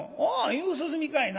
夕涼みかいな。